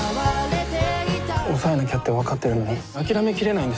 押さえなきゃって分かってるのに諦めきれないんです。